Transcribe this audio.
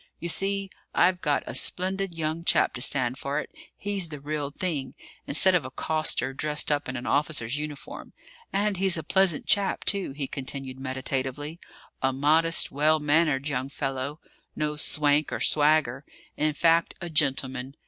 "You see, I've got a splendid young chap to stand for it. He's the real thing, instead of a coster dressed up in an officer's uniform. And he's a pleasant chap, too," he continued meditatively. "A modest, well mannered young fellow: no swank or swagger; in fact, a gentleman.